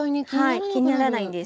はい気にならないんです。